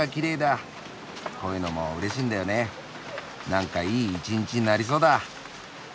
なんかいい一日になりそうだ。